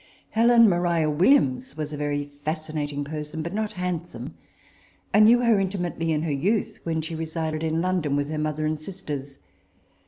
Helen Maria Williams was a very fascinating person ; but not handsome. I knew her intimately in her youth, when she resided in London with her mother and sisters.